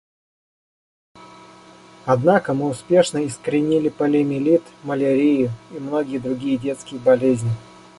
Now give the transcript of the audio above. Однако мы успешно искоренили полиомиелит, малярию и многие другие детские болезни.